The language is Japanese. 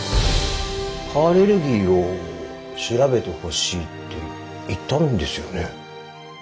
蚊アレルギーを調べてほしいって言ったんですよね？